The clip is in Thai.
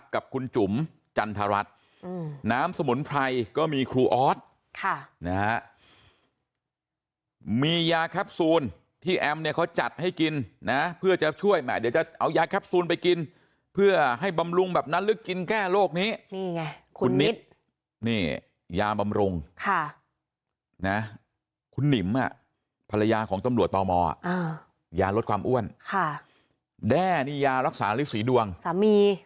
กับคุณจุ๋มกันทรัสน้ำสมุนไพรก็มีครูออสมียาแคปซูลที่แอมเนี่ยเขาจัดให้กินเพื่อจะช่วยมาเดี๋ยวจะเอายากลับสู้ไปกินเพื่อให้บำรุงแบบนั้นลึกกินแก้โรคนี้นี่ไงคุณนิดเนี่ยยาบำรุงค่ะนะคุณหนิมอ่ะภรรยาของตำรวจต่อหมอ